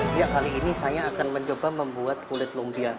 dia kali ini saya akan mencoba membuat kulit lumpia